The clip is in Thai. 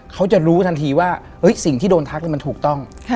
เขาจะรู้ทันทีว่าสิ่งที่โดนทักมันถูกต้อง